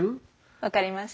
分かりました。